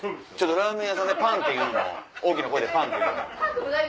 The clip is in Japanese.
ラーメン屋さんでパンって大きな声でパンって言うのは。